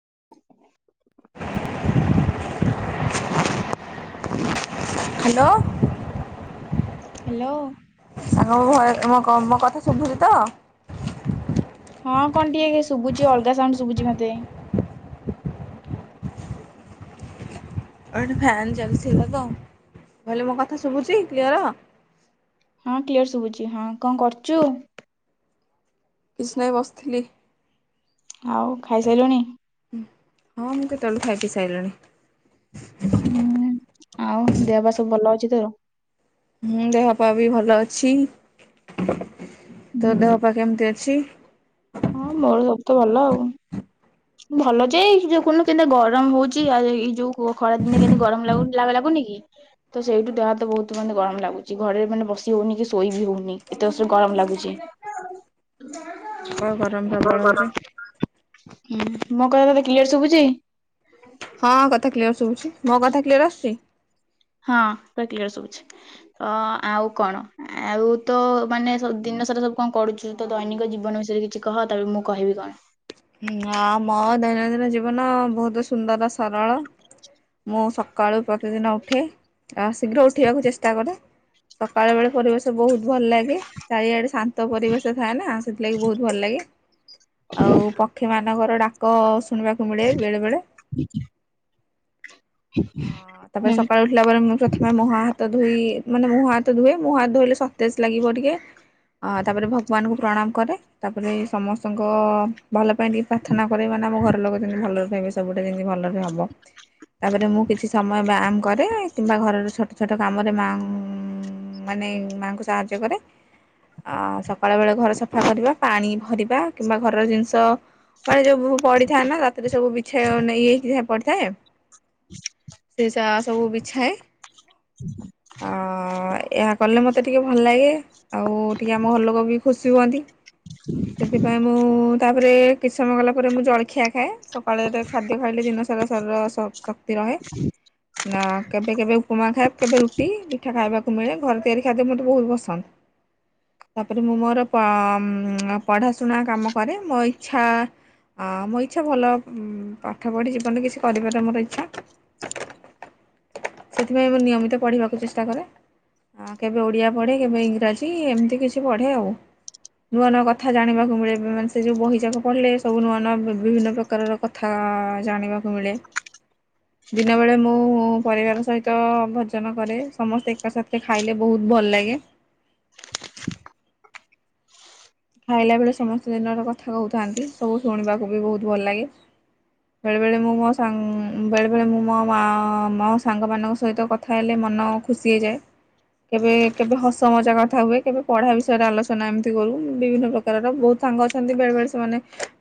[unintelligible] [inaudible] Hello hello ଆଗ ମୋ କଥା ଶୁଧୁଛି ତ। ହଁ କଣ ଟିକେ ଶୁଭୁଛି ଅଲଗା ସାାଉଣ୍ଡ ଶୁଭୁଛି ମତ। ଫ୍ୟାନ ଚାଲିଥିଲା ତ ଭ ମୋ କଥା ଶୁଭୁଛି କ୍ଳିଅର । ହଁ କ୍ଲିୟର ଶୁଭୁଛି ହଁ କଣ କରୁଛୁ। କିଛି ନାହିଁ ବସିଥିଲି। ଆଉ ଖାଇସିଲୁଣି। ତଳୁ ଖାଇଟିି ସାରିଲାଣି। ହୁଁ ଆଉ ଦେହ ବା ସବୁ ଭଲ ଅଛି ତୋର। ଛିଇ ତ ଦେହ ପା ହୁଁ କେମିତି ଅ ପକ୍ଷୀ ହଁ ମୋର ସ ତ ଭଲ ଆଉ। ଭଲ ଯେ ଦେଖୁନୁ କେତା ଗରମ ହଉଛି ଆଉ ଏଇ ଯୋଉ ଖରା ଦିନେ କେମତି ଗରମ ଲାଗୁନି କି ତ ସେଇଠୁ ଦେହ ତ ବହୁତ ମାନେ ଗରମ ଲାଗୁଛି ଘରେରେ ମାନେ ବସି ହଉନି କି ଶୋଇ ବି ହଉନି ଏତେ ବର୍ଷୁ ଗରମ ଲାଗୁଛି। ପ୍ରବଳ ହ ଗରମ ଭର ପ୍ରବଳ ହଉଛି। [inaudible] ହୁଁ ମୋ କଥା ତତେ କର ଶୁଭୁଛି। ହଁ କଥା କ୍ଲିୟର ଶୁଛି ମୋ କଥା କ୍ଲିୟର ଆସୁଛି। ହଁ ପ୍ର ସବୁଛି ତ ଆଉ କଣ ଆଉ ତ ମାନେ ଦିନ ସାରା ସବୁ କଣ କରୁଛୁ ତ ଦୈନିକ ଜୀବନ ବିଷୟରେ କିଛି କହ ତା ମୁଁ କହିବି କଣ। ମୋ ଦୈନନ୍ଦିନ ଜୀବନ ବହୁତ ସୁନ୍ଦର ସରଳ ମୁଁ ସକାଳୁ ପ୍ରତିଦିନ ଉଠେ ଶୀଘ୍ର ଉଠିବାକୁ ଚେଷ୍ଟା କରେ ସକାଳୁ ବେଳେ ପରିବେଶ ବହୁତ ଭଲ ଲାଗେ ଚାରିଆଡେ ଶାନ୍ତ ପରିବେଶ ଥାଏ ନା ସେଥିଲାଗି ବହୁତ ଭଲ ଲାଗେ। ଆଉ ମାନଙ୍କର ଡାକ ଶୁଣିବାକୁ ମିଳେ ବେଳେ ବେଳେ ଦେଖେ ଅ ତାପରେ ହୁଁ ସକାଳୁ ଉଠିଲା ପରେ ମୁ ପ୍ରଥମେ ମହା ହାତ ଧୋଇ ମାନେ ମୁଁ ହାତ ଧୋଇଏ ମୁଁ ହାତ ଧୋଇଲେ ତେଜ ଲାଗିବ ଟିକେ ତାପରେ ଭଗବାନଙ୍କୁ ପ୍ରଣାମ। କରେ ତାପରେ ସମସ୍ତଙ୍କ ଭଲ ପାଇଁ ଟିକେ ପ୍ରାର୍ଥନା କର ମ ନା ଆମ ଘର ଲୋକ କେମି ଭଲ ର ସବୁଟେମିତି ଭଲରେ ହବ ତାପରେ କିଛି ସମୟ ବ୍ୟାୟାମ କରେ କିମ୍ବା ଘରର ଛୋଟ ଛୋଟ କାମରେ ମା ମାନେ ମାଆଙ୍କୁ ସାହାଯ୍ୟ କରେ ଆ ସକାଳେ ବେଳେ ଘର ସଫା କରିବା ପାଣି ଭରିବା ବା କିମ୍ବା ଘରର ଜିନିଷ ମାନେ ଯୋଉ ବୁ ପଡିଥାଏ ନା ରାତିରେ ସବୁ ଛ ମାନେ ଇଏ ଯାହା ପଡିଥାଏ। ସେ ଯା ସବୁ ବିଛାଏ ଆ ଏହା କଲେ ମତେ ଟିକେ ଭଲ ଲାଗେ ଆଉ ଟିକେ ଆମ ଘର ଲୋକ ବି ଖୁସି ହୁଅନ୍ତି ସେଥିପାଇଁ ମୁଁ ତାପରେ କିଛି ସମୟ ଗଲା ପରେ ମୁଁ ଜଳଖିଆ ଖାଏ ସକାଳେରେ ଖାଦ୍ୟ ଖାଇଲେ ଦିନ ସାରା ଶରୀର ଶ କ୍ତି ରହେ ନା କେବେ କେବେ ଉପମା ଖାଏ କେବେ ରୁଟି ପିଠା ଖାଇବାକୁ ମିଳେ ଘରେ ତିଆରି ଖାଦ୍ୟ ମୋତେ ବହୁତ ପସନ୍ଦ ତାପରେ ମୁଁ ମୋର ପ ପଢ଼ାଶୁଣା କାମ କରେ ମୋ ଇଚ୍ଛା ମୋ ଇଚ୍ଛା ଭଲ ପାଠ ପଢ଼ି ଜୀବନରେ କିଛି କରିବାରେ ମୋର ଇଚ୍ଛା। ସେଥିପାଇଁ ମୁଁ ନିୟମିତ ପଢ଼ିବାକୁ ଚେଷ୍ଟା କରେ କେବେ ଓଡ଼ିଆ ପଢ଼େ କେବେ ଇଂରାଜୀ ଏମିତି କିଛି ପଢ଼େ ଆଉ ନୂଆ ନୂଆ କଥା ଜାଣିବାକୁ ମିଳେ ମାନେ ସେ ଯୋଉ ବହିଯାକ ପଢ଼ିଲେ ସବୁ ନୂଆ ନୂଆ ବିଭିନ୍ନ ପ୍ରକାରର କଥା ଜାଣିବାକୁ ମିଳେ। ଦିନବେଳେ ମୁଁ ପରିବାର ସହିତ ଭଜନ କରେ ସମସ୍ତେ ଏକା ସାଥେ ଖାଇଲେ ବହୁତ ଭଲ ଲାଗେ। ଖାଇଲା ବେଳେ ସମସ୍ତେ ଦିନର କଥା କହୁଥାନ୍ତି ସବୁ ଶୁଣିବାକୁ ବି ବହୁତ ଭଲ ଲାଗେ ବେଳେବେଳେ ମୁଁ ମୋ ସା ବେଳେବେଳେ ମୁଁ ମୋ ମା ମୋ ସାଙ୍ଗମାନଙ୍କ ସହିତ କଥା ହେଲେ ମନ ଖୁସି ହେଇଯାଏ କେବେ କେବେ ହସ ମଜା କଥା ହୁଏ କେବେ ପଢ଼ା ବିଷୟରେ ଆଲୋଚନା ଏମିତି କରୁ। ବିଭିନ୍ନ ପ୍ରକାରର ବହୁତ ସାଙ୍ଗ ଅଛନ୍ତି ବେଳେବେଳେ ସେମାନେ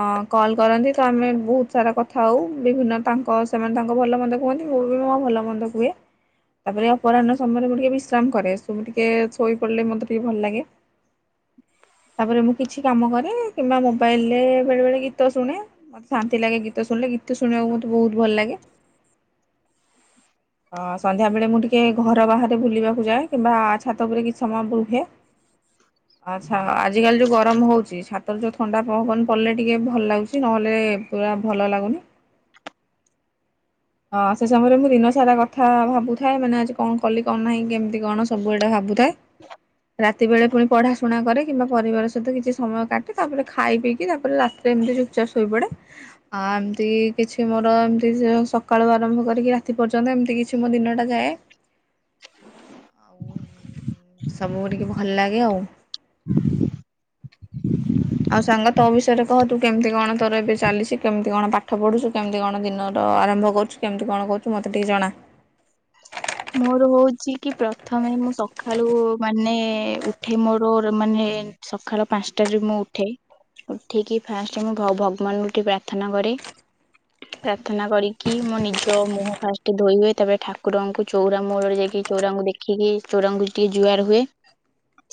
ଅ କଲ୍ କରନ୍ତି ତ ଆମେ ବହୁତ ସାରା କଥା ହଉ ବିଭିନ୍ନ ତାଙ୍କ ସେମାନେ ତାଙ୍କ ଭଲ ମନ୍ଦ କୁହନ୍ତି ମୁଁ ବି ମୋ ଭଲ ମନ୍ଦ କୁହେ ତାପରେ ଅପରାହ୍ନ ସମୟରେ ମୁଁ ଟିକେ ବିଶ୍ରାମ କରେ ସବୁ ଟିକେ ଶୋଇ ପଡ଼ିଲେ ମୋତେ ଟିକେ ଭଲ ଲାଗେ। ତାପରେ ମୁଁ କିଛି କାମ କରେ କିମ୍ବା ମୋବାଇଲରେ ବେଳେ ବେଳେ ଗୀତ ଶୁଣେ ମତେ ଶାନ୍ତି ଲାଗେ ଗୀତ ଶୁଣିଲେ ଗୀତ ଶୁଣିବାକୁ ମତେ ବହୁତ ଭଲ ଲାଗେ। ହଁ ସନ୍ଧ୍ୟାବେଳେ ମୁଁ ଟିକେ ଘର ବାହାରେ ବୁଲିବାକୁ ଯାଏ କିମ୍ବା ଛାତ ଉପରେ କିଛି ସମୟ ଲେ ଆଚ୍ଛା ଆଜିିକାଲି ଯୋଉ ଗ ରମ ହଉଚି ଛାତରେ ଯୋଉ ଥଣ୍ଡା ପବନ ପଡିଲେ ଟିକେ ଭଲ ଲାଗୁଛି ନହେଲେ ପୁରା ଭଲ ଲାଗୁନି ସେ ସମୟରେ ମୁ ଦିନ ସାରା କଥା ଭାବୁଥାଏ ମାନେ ଆଜି କଣ କଲି କଣ ନାହିଁ କେମି ତି କଣ ସବୁ ଏଇଟା ଭାବୁଥାଏ ରା ତେବେଳେ ପୁଣି ପଢ଼ାଶୁଣା କରେ କିମ୍ବା ପରିବାର ସହିତ କିଛି ସମୟ କାଟେ ତାପରେ ଖାଇ ପିଇକି ତାପରେ ରାତିରେ ଏମତି ଚୁପଚାପ୍ ଶୋଇପଡ଼େ ଆ ଏମତି କିଛି ମୋର ଏମତି ସକାଳୁ ଆରମ୍ଭ କରି ରାତି ପର୍ଯ୍ୟନ୍ତ ଏମତି କିଛି ମୋ ଦିନଟା ଯାଏ। ଆଉ ସବୁ ଟିକେ ଭଲ ଲାଗେ ଆଉ। ଆଉ ସାଙ୍ଗ ତୋ ବିଷୟରେ କହ ତୁ କେମତି କଣ ତୋର ଏବେ ଚାଲିଛି କେମିତି କଣ ପାଠ ପଢୁଛୁ କେମିତି କଣ ଦିନର ଆରମ୍ଭ କରୁଛୁ କେମିତି କଣ କହୁଛୁ ମତେ ଟିକେ ଜଣା। ମୋର ହଉଛି କି ପ୍ରଥମେ ମୁଁ ସକାଳୁ ମାନେ ଉଠେ ମୋର ମାନେ ସକାଳ ପାଞ୍ଚଟାରୁ ମୁଁ ଉଠେ ଉଠିକି ଫାଷ୍ଟ ମୁଁ ଭ ଭଗବାନଙ୍କୁ ଉଠି ପ୍ରାର୍ଥନା କରେ ପ୍ରାର୍ଥନା କରିକି ମୋ ନିଜ ମୁହଁ ଫାଷ୍ଟ ଧୋଇ ହୁଏ ତାପରେ ଠାକୁରଙ୍କୁ ଚଉରା ମୂଳରେ ଯାଇକି ଚଉରାଙ୍କୁ ଦେଖିକି ଚଉରାଙ୍କୁ ଟିକେ ଜୁଆର ହୁଏ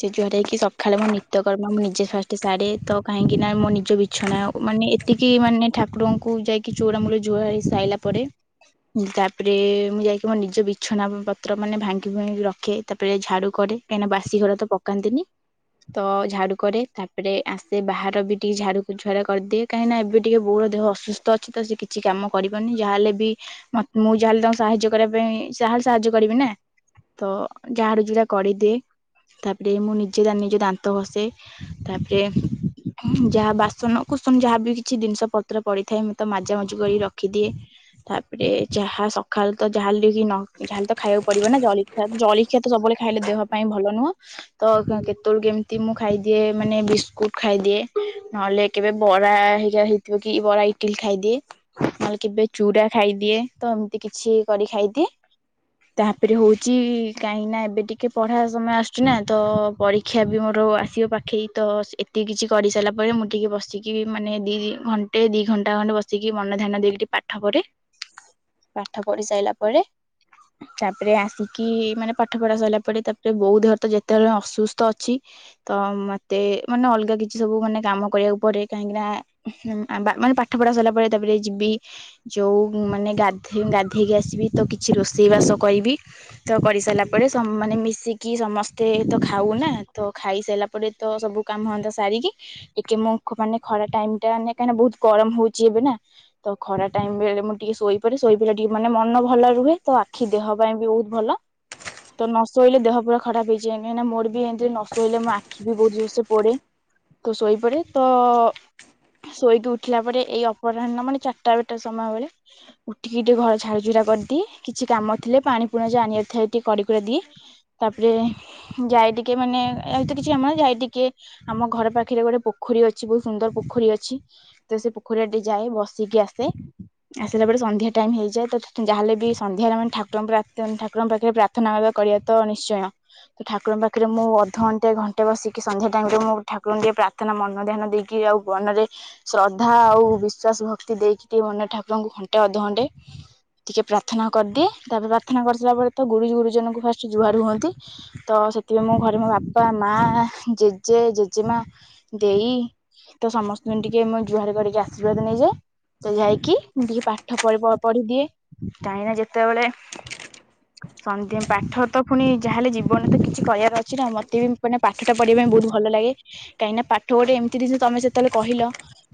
ସେ ଜୁହାର ହେଇକି ସକାଳେ ମୋ ନିତ୍ୟକର୍ମ ମୁଁ ନିଜେ ଫାଷ୍ଟ ସାରେ ତ କାହିଁକି ନା ମୋ ନିଜ ବିଛଣା ମାନେ ଏତିକି ମାନେ ଠାକୁରଙ୍କୁ ଯାଇକି ଚଉରା ମୂଳରେ ଜୁହାର ହେଇସାରିଲା ପରେ ତାପରେ ମୁଁ ଯାଇକି ମୋ ନିଜ ବି ବିଛଣା ପତ୍ର ମାନେ ଭାଙ୍ଗି ଭାଙ୍ଗିକି ରଖେ ତାପରେ ଝାଡୁ କରେ କାଇଁ ନା ବାସି ଘର ତ ପକାନ୍ତିନି ତ ଝାଡୁ କରେ ତାପରେ ଆସେ ବାହାର ବି ଟିକେ ଝାଡୁ ଝଡା କରିଦିଏ କାହିଁକିନା ଏବେ ଟିକେ ବୋଉର ଦେହ ଅସୁସ୍ଥ ଅଛି ତ ସେ କିଛି କାମ କରିବନି ଯାହା ହେଲେ ବି ମ ମୁଁ ଯାହାହେଲେ ତାଙ୍କୁ ସାହାଯ୍ୟ କରିଆ ପେଇଁ ଯାହା ହେଲେ ସାହାଯ୍ୟ କରିବି ନା ତ ଝାଡୁ ଯୁଡା କରିଦିଏ ତାପରେ ମୁଁ ନିଜେ ନିଜେ ଦାନ୍ତ ଘଷେ ତାପରେ ଯାହା ବାସନ କୁସନ ଯାହା ବି କିଛି ଜିନିଷ ପତ୍ର ପଡିଥାଏ ମୁଁ ତ ମାଜା ମଜି କରି ରଖିଦିଏ ତାପରେ ଯାହା ସକାଳୁ ତ ଯାହା ହେଲେ କି ନ ଯାହା ହେଲେ ତ ଖାଇବାକୁ ପଡିବ ନା ଜଳିଖିଆ ଜଳିଖିଆ ତ ସବୁବେଳେ ଖାଇଲେ ଦେହ ପାଇଁ ଭଲ ନୁହଁ ତ କେତେବେଳକୁ କେମତି ମୁଁ ଖାଇଦିଏ ମାନେ ବିସ୍କୁଟ ଖାଇଦିଏ ନହେଲେ କେବେ ବରା ହେଇ ହେଇଥିବ କି ବରା ଇଟିଲ ଖାଇଦିଏ ନହେଲେ କେବେ ଚୁରା ଖାଇଦିଏ ତ ଏମତି କିଛି କରି ଖାଇଦିଏ। ତାପରେ ହଉଛି କାହିଁକି ନା ଏବେ ଟିକେ ପଢା ସମୟ ଆସୁଛି ନା ତ ପରୀକ୍ଷା ବି ମୋର ଆସିବ ପାଖେଇ ତ ଏତିକି କିଛି କରିସାରିଲା ପରେ ମୁଁ ଟିକେ ବସିକି ମାନେ ଦି ଘଣ୍ଟେ ଦି ଘଣ୍ଟା ଘଣ୍ଟେ ବସିକି ମନ ଧ୍ୟାନ ଦେଇକି ଟିକେ ପାଠ ପଢେ ପାଠ ପଢି ସାଇଲା ପରେ ତାପରେ ଆସିକି ମାନେ ପାଠ ପଢା ସଇଲା ପରେ ତାପରେ ବୋଉ ଦେହରେ ତ ଯେତେବେଳେ ଅସୁସ୍ଥ ଅଛି ତ ମତେ ମାନେ ଅଲଗା କିଛି ସବୁ ମାନେ କାମ କରିଆକୁ ପଡେ କାହିଁକି ନା ମାନେ ପାଠପଢା ସଇଲା ପରେ ତାପରେ ଯିବି ଯୋଉ ମାନେ ଗାଧେ ଗାଧେଇକି ଆସିବି ତ କି କିଛି ରୋଷେଇବାସ କରିବି ତ କରିସାରିଲା ପରେ ମାନେ ମିଶିକି ସମସ୍ତେ ତ ଖାଉ ନା ତ ଖାଇସାରିଲା ପରେ ତ ସବୁ କାମଧନ୍ଦା ସାରିକି ଟିକେ ମୁଁ ମାନେ ଖରା ଟାଇମ ଟା ମାନେ କାହିଁକିନା ବହୁତ ଗରମ ହଉଛି ଏବେ ନା ତ ଖରା ଟାଇମ ବେଳେ ମୁଁ ଟିକେ ଶୋଇପଡେ ଶୋଇପଡିଲା ଟିକେ ମାନେ ମନ ଭଲ ରୁହେ। ତ ଆଖି ଦେହ ପାଇଁ ବି ବହୁତ ଭଲ ତ ନ ଶୋଇଲେ ଦେହ ପୁରା ଖରାପ ହେଇଯାଏ ମେନ୍ ମୋର ବି ଏମିତିରେ ନ ଶୋଇଲେ ମୋ ଆଖି ବି ବହୁତ ଜୋରସେ ପୋଡେ ତ ଶୋଇପଡେ ତ ଶୋଇକି ଉଠିଲା ପରେ ଏଇ ଅପରାହ୍ନ ମାନେ ଚାରିଟା ବାରଟା ସମୟ ବଳେ ଉଠିକି ଟିକେ ଘର ଝାଡୁ ଝୁଡା କରିଦିଏ। କିଛି କାମ ଥିଲେ ପାଣି ପୁଣି ଜା ଆଣିଆର ଥାଏ ଟିକେ କରି କୁରା ଦିଏ ତାପରେ ଯାଏ ଟିକେ ମାନେ ଏଇତ କିଛି ଆମର ଯାଏ ଟିକେ ଆମ ଘର ପାଖରେ ଗୋଟେ ପୋଖରୀ ଅଛି ବହୁତ ସୁନ୍ଦର ପୋଖରୀ ଅଛି ତ ସେ ପୋଖରୀଟା ଟିକେ ଯାଏ ବସିକି ଆସେ ଆସିଲା ପରେ ସନ୍ଧ୍ୟା ଟାଇମ ହେଇଯାଏ ତ ଯାହା ହେଲେ ବି ସନ୍ଧ୍ୟାରେ ମାନେ ଠାକୁରଙ୍କୁ ଠାକୁରଙ୍କ ପାଖରେ ପ୍ରାର୍ଥନା କରିଆ ତ ନିଶ୍ଚୟ ଠାକୁରଙ୍କ ପାଖରେ ମୁଁ ଅଧଘଣ୍ଟେ ଘଣ୍ଟେ ବସିକି ସନ୍ଧ୍ୟା ଟାଇମ ରେ ମୁଁ ଠାକୁରଙ୍କୁ ଟିକେ ପ୍ରାର୍ଥନା ମନ ଧ୍ୟାନ ଦେଇକି ଆଉ ମନରେ ଶ୍ରଦ୍ଧା ଆଉ ବିଶ୍ଵାସ ଭକ୍ତି ଦେଇକି ଟିକେ ମନ ଠାକୁରଙ୍କୁ ଘଣ୍ଟେ ଅଧଘଣ୍ଟେ ଟିକେ ପ୍ରା ପ୍ରାର୍ଥନା କରିଦିଏ ତାପରେ ପ୍ରାର୍ଥନା କରିସାରିଲା ପରେ ତ ଗୁରୁଜ ଗୁରୁଜନଙ୍କୁ ଫାଷ୍ଟ ଜୁହାର ହୁଅନ୍ତି ତ ସେଥିପାଇଁ ମୋ ଘରେ ମୋ ବାପା, ମା ଜେଜେ, ଜେଜେମା ଦେଈ ତ ସମସ୍ତଙ୍କୁ ଟିକେ ମୁଁ ଜୁହାର କରିକି ଆର୍ଶୀବାଦ ନେଇଯାଏ ତ ଯାଇକି ମୁଁ ଟିକେ ପାଠ ପଢ ପଢିଦିଏ। କାହିଁକି ନା ଯେତେବେଳେ ସନ୍ଧ୍ୟା ପାଠ ତ ପୁଣି ଯାହା ହେଲେ ଜୀବନରେ ତ କିଛି କରିଆର ଅଛି ନା ମତେ ବି ମାନେ ପାଠ ଟା ପଢିବା ପାଇଁ ବହୁତ ଭଲ ଲାଗେ କାହିଁକିନା ପାଠ ଗୋଟେ ଏମତି ଜିନିଷ ତମେ ସେତେବେଳେ କହିଲ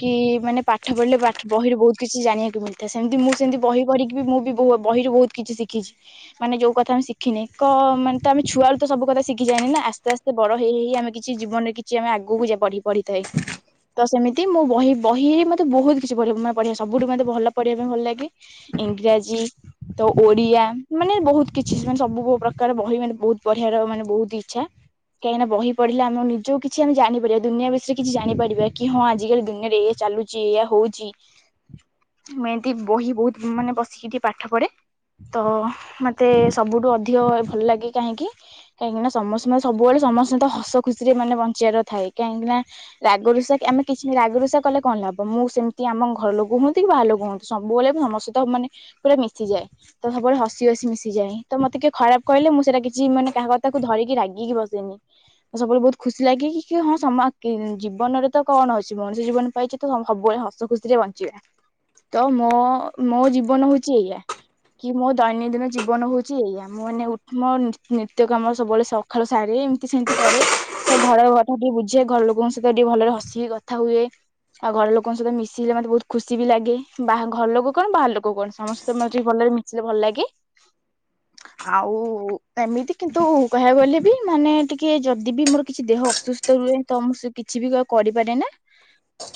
କି ମାନେ ପାଠ ପଢିଲେ ପାଠ ବହିରୁ ବହୁତ କିଛି ଜାଣିବାକୁ ମିଳିଥାଏ ସେମତି ମୁଁ ସେମତି ବହି ପଢିକି ବି ମୁଁ ବି ବହିରୁ ବହୁତ କିଛି ଶିଖିଛି ମାନେ ଯୋଉ କଥା ଆମେ ଶିଖିନେ କମ୍ ମାନେ ତ ଆମେ ଛୁଆବେଳୁ ତ ସବୁ କଥା ଶିଖି ଯାଇନେ ନା ଆସ୍ତେ ଆସ୍ତେ ବଡ ହେଇ ହେଇ ଆମେ କିଛି ଜୀବନରେ କିଛି ଆମେ ଆଗକୁ ବ ବଢିଥାଏ ତ ସେମିତି ମୁଁ ବହି ବହି ମତେ ବହୁତ କିଛି ପଢିବା ପଢିବା ସବୁଠୁ ମୋତେ ଭଲ ପଢିବା ପାଇଁ ଭଲ ଲାଗେ ଇଂରାଜୀ। ତ ଓଡିଆ ମାନେ ବହୁତ କିଛି ମାନେ ସବୁ ପ୍ରକାର ବହି ମାନେ ବହୁତ ପଢିଆର ମାନେ ବହୁତ ହି ଇଚ୍ଛା କାହିଁକିନା ବହି ପଢିଲେ ଆମେ ନିଜକୁ କିଛି ଆମେ ଜାଣିପାରିବା ଦୁନିଆ ବିଷୟରେ କିଛି ଜାଣିପାରିବା କି ହଁ ଆଜିକାଲି ଦୁନିଆରେ ଏଇଆ ଚାଲୁଛି ଏଇଆ ହଉଛି ମୁଁ ଏମିତି ବହି ବହୁତ ମାନେ ବସିକି ଟିକେ। ପାଠ ପଢେ ତ ମତେ ସବୁଠୁ ଅଧିକ ଭଲ ଲାଗେ କାହିଁକି କାହିଁକି ନା ସମସ୍ତେ ମେ ସବୁବେଳେ ସମସ୍ତେ ତ ହସ ଖୁସିରେ ମାନେ ବଞ୍ଚିବାର ଥାଏ କାହିଁକି ନା ରାଗ ରୁଷା ଆମେ କିଛି ରାଗ ରଷା କଲେ କଣ ଲାଭ ମୁଁ ସେମିତି ଆମ ଘର ଲୋକ ହୁଅନ୍ତି କି ବାହାର ଲୋକ ହୁଅନ୍ତୁ ସବୁବେଳେ ସମସ୍ତେ ସହିତ ମାନେ । ପୁରା ମିଶିଯାଏ ତ ସବୁବେଳେ ହସି ହସି ମିଶିଯାଏ ତ ମତେ କିଏ ଖରାପ କହିଲେ ମୁଁ ସେଇଟା କିଛି ମାନେ କାହା କଥାକୁ ଧରିକି ରାଗିକି ବସେନି ସବୁବେଳେ ବହୁତ ଖୁସି ଲାଗେ କି କି ହଁ ସମ ଜୀବନରେ ତ କଣ ଅଛି ମଣିଷ ଜୀବନ ପାଇଛି ତ ସବୁବେଳେ ହସ ଖୁସିରେ ବଞ୍ଚିବା ତ ମୋ ମୋ ଜୀବନ ହଉ ଛି ଏଇଆ କି ମୋ ଦୈନନ୍ଦିନ ଜୀବନ ହଉଛି ଏଇଆ ମୁଁ ମାନେ ଉ ମୋ ନିତ୍ୟ କାମ ସବୁବେଳେ ସକାଳୁ ସାରେ ଏମତି ସେମତି କରେ ତ ଘର କଥା ଟିକେ ବୁଝେ ଘର ଲୋକଙ୍କ ସହିତ ଟିକେ ଭଲରେ ହସିକି କଥା ହୁଏ ଆଉ ଘର ଲୋକଙ୍କ ସହିତ ମିଶିଲେ ମତେ ବହୁତ ଖୁସି ବି ଲାଗେ ବା ଘର ଲୋକ କଣ ବାହାର ଲୋକ କଣ। ସମସ୍ତଙ୍କ ସହିତ ମତେ ଟିକେ ଭଲରେ ମିଶିଲେ ଭଲ ଲାଗେ ଆଉ ଏମିତି କିନ୍ତୁ କହିଆକୁ ଗଲେ ବି ମାନେ ଟିକେ ଯଦି ବି ମୋର କିଛି ଦେହ ଅସୁସ୍ଥ ରୁହେ ତ ମୁଁ କିଛି ବି କରିପାରେନା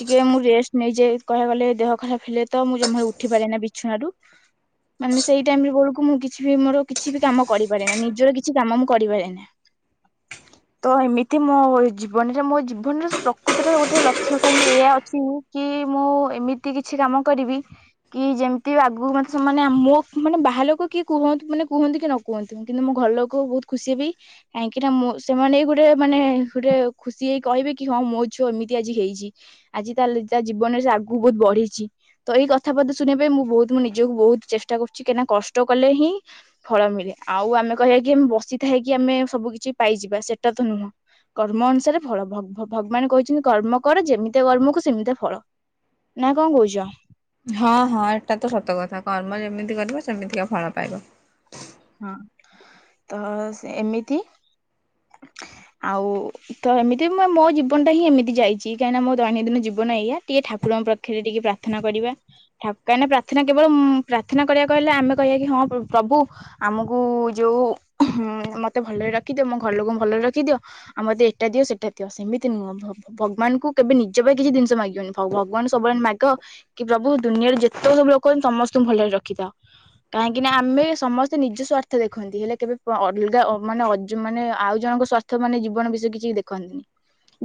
ଟିକେ ମୁଁ ରେଷ୍ଟ ନେଇଯାଏ କହିଆକୁ ଗଲେ ଦେହ ଖରାପ ହେଲେ ତ ମୁଁ ଜମାରୁ ଉଠିପାରେନା ବିଛଣାରୁ। ମାନେ ସେଇ ଟାଇମ ରେ ବେଳୁକୁ ମୁଁ କିଛି ବି ମୋର କିଛି ବି କାମ କରିପାରେନା ନିଜର କିଛି କାମ ମୁଁ କରିପାରେନା ତ ଏମିତି ମୋ ଜୀବନରେ ମୋ ଜୀବନରେ ପ୍ରକୃତେରେ ଗୋଟେ ଲକ୍ଷ୍ୟ କାହିଁକି ଏଇଆ ଅଛି କି ମୁଁ ଏମିତି କିଛି କାମ କରିବି କି ଯେମତି ଆ ଗୁକୁ ମତେ ସେମାନେ ମୋ ମାନେ ବାହାର ଲୋକ କିଏ କୁହ ମାନେ କୁହନ୍ତି କି ନ କୁହନ୍ତି କିନ୍ତୁ ମୋ ଘର ଲୋକ ବହୁତ ଖୁସି ହେବି କାହିଁକିନା ମୁଁ ସେମାନେ ଗୋଟେ ମାନେ ଗୋଟେ ଖୁସି ହେଇ କହିବେ କି ହଁ ମୋ ଝୁଅ ଏମିତି ଆଜି ହେଇଛି ଆଜି ତା ତା ଜୀବନରେ ସେ ଆଗକୁ ବହୁତ ବଢିଛି ତ ଏଇ କଥା ପଦେ ଶୁଣିଆ ପାଇଁ ମୁଁ ବହୁତ । ମୁଁ ନିଜକୁ ବହୁତ ଚେଷ୍ଟା କରୁଛି କାହିଁକିନା କଷ୍ଟ କଲେ ହିଁ ଫଳ ମିଳେ ଆଉ ଆମେ କହିବା କି ଆମେ ବସିଥାଇ କିି ଆମେ ସବୁ କିଛି ପାଇଯିବା ସେଟା ତ ନୁହଁ କର୍ମ ଅନୁସାରେ ଫଳ ଭ ଭ ଭଗବାନ କହିଛନ୍ତି କର୍ମ କର ଯେମିତିଆ କର୍ମକୁ ସେମିତିଆ ଫଳ ନା କଣ କହୁଛ। ହଁ ହଁ ଏଇଟା ତ ସତ କଥା କର୍ମ ଯେମିତି କରିବ ସେମିତିକା ଫଳ ପାଇବ। ହଁ ତ ଏମିତି ଆଉ ତ ଏମିତି ମୋ ମୋ ଜୀବନ ଟା ହିଁ ଏମିତି ଯାଇଛି କାହିଁକିନା ମୋ ଦୈନନ୍ଦିନ ଜୀବନ ଏଇଆ ଟିକେ ଠାକୁରଙ୍କ ପାଖରେ ଟିକେ ପ୍ରାର୍ଥନା କରିବା କାହିଁକି ପ୍ରାର୍ଥନା କେବଳ ପ୍ରାର୍ଥନା କରିଆକୁ କହିଲେ ଆମେ କହିବା କି ହଁ ପ୍ରଭୁ । ଆମକୁ ଯୋଉ ମତେ ଭଲରେ ରଖିଦିଅ ମୋ ଘର ଲୋକ ଭଲରେ ରଖିଦିଅ ଆଉ ମତେ ଏଇଟା ଦିଅ ସେଟା ଦିଅ ସେମିତି ନୁହଁ ଭ ଭଗବାନଙ୍କୁ କେବେ ନିଜ ପାଇଁ କିଛି ଜିନିଷ ମାଗିବନି ଭଗବାନ ସବୁବେଳେ ମାଗ କି ପ୍ରଭୁ ଦୁନିଆରେ ଯେତେକ ସବୁ ଲୋକ ସମସ୍ତଙ୍କୁ ଭଲରେ ରଖିଥାଅ କାହିଁକି ନା ଆମେ ସମ ନିଜ ସ୍ବାର୍ଥ ଦେଖନ୍ତି ହେଲେ କେବେ ଅଲଗା ମାନେ ମାନେ ଆଉ ଜଣଙ୍କ ସ୍ବାର୍ଥ ମାନେ ଜୀବନ ବିଷୟରେ କିଛି ଦେଖନ୍ତିନି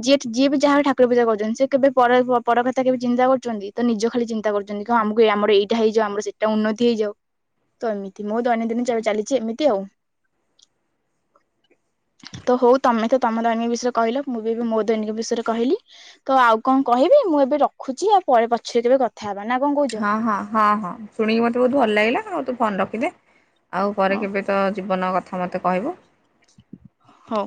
ଯିଏ ଯିଏ ବି ଯାହା ବି ଠାକୁର ପୂଜା କରୁଛନ୍ତି ସେ କେବେ ପର ପର କଥା କେବେ ଚିନ୍ତା କରୁଛନ୍ତି ତ ନିଜ ଖାଲି ଚିନ୍ତା କରୁଛନ୍ତି କ ଆମକୁ ଆମର ଏଇଟା ହେଇଯାଉ ଆମର ସେଇଟା ଉନ୍ନତି ହେଇଯାଉ ତ ଏମିତି ମୋ ଦୈନନ୍ଦିନ । ଚାଲିଛି ଏମିତି ଆଉ ତ ହଉ ତମେ ତ ତମ ଦୈନିକ ବିଷୟରେ କହିଲ ମୁଁ ବି ଏବେ ମୋ ଦୈନିକ ବିଷୟରେ କହିଲି ତ ଆଉ କଣ କହିବି ମୁଁ ଏବେ ରଖୁଛି ଆଉ ପରେ ପଛରେ କେବେ କଥା ହେ ହଁ ହଁ ହଁ ହଁ ଶୁଣିକି ମତେ ବହୁତ ଭଲ ଲାଗିଲା ଆଉ ତ। ଫନ ରଖିଦେ। ଆଉ ପରେ ହଉ କେବେ ତ ଯି ଜୀବନ କଥା ମୋତେ କହିବୁ। ହଉ